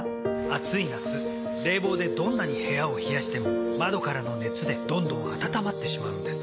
暑い夏冷房でどんなに部屋を冷やしても窓からの熱でどんどん暖まってしまうんです。